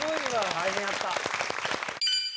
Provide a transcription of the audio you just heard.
大変やった。